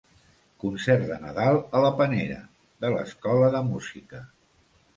Concert de Nadal a la Panera, de l'escola de música.